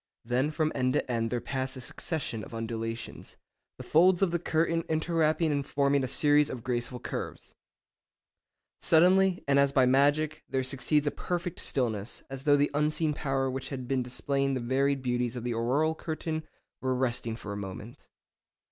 Then from end to end there pass a succession of undulations, the folds of the curtain interwrapping and forming a series of graceful curves. Suddenly, and as by magic, there succeeds a perfect stillness, as though the unseen power which had been displaying the varied beauties of the auroral curtain were resting for a moment.